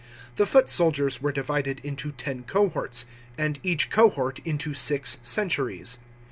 The foot soldi rs were divided into ten cohorts, and each cohort into six centuries.